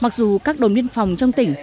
mặc dù các đội biên phòng trong tỉnh